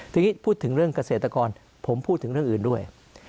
ทีนี้พูดถึงเรื่องเกษตรกรผมพูดถึงเรื่องอื่นด้วย